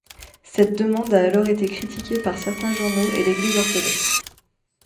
Cette demande a alors été critiquée par certains journaux et l'église orthodoxe.